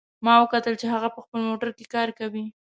ما وکتل چې هغه په خپل موټر کې کار کوي